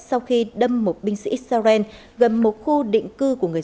sau khi đâm một binh sĩ israel gần một khu định cư